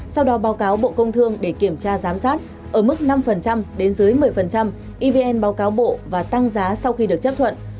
sau đó báo cáo bộ công thương để kiểm tra giám sát ở mức năm đến dưới một mươi evn báo cáo bộ và tăng giá sau khi được chấp thuận